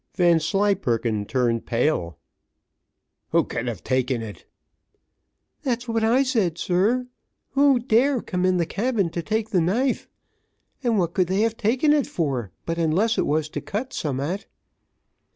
Vanslyperken turned pale. "Who could have taken it?" "That's what I said, sir. Who dare come in the cabin to take the knife? and what could they have taken it for, but unless it was to cut summut?"